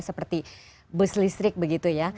seperti bus listrik begitu ya